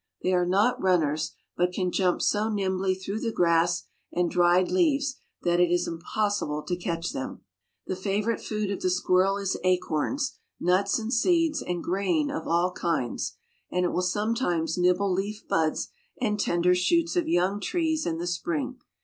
They are not runners, but can jump so nimbly through the grass and dried leaves that it is impossible to catch them. The favorite food of the squirrel is acorns, nuts, and seeds and grain of all kinds, and it will sometimes nibble leaf buds and tender shoots of young trees in the spring.